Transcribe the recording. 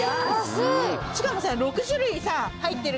しかもさ。